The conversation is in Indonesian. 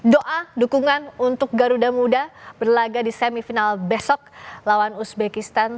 doa dukungan untuk garuda muda berlaga di semifinal besok lawan uzbekistan